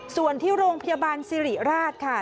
ส่วนที่โรงพยาบาลสิริราชค่ะ